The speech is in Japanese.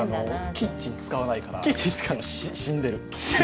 キッチン使わないから、死んでる。